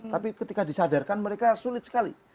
tapi ketika disadarkan mereka sulit sekali